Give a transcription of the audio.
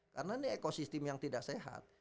karena ini ekosistem yang tidak sehat